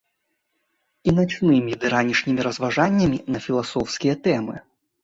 І начнымі ды ранішнімі разважаннямі на філасофскія тэмы.